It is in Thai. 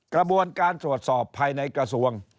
กระบวนการตรวจสอบภายในกระทรวง